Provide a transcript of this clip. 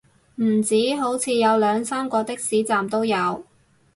唔止，好似有兩三個的士站都有